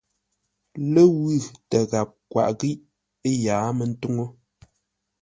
Ləwʉ̂ tə́ ghap kwaʼ ghíʼ ə́ yǎa mə́ ntúŋu.